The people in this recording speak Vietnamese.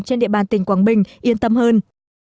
trên địa bàn tỉnh quảng bình yên tâm hơn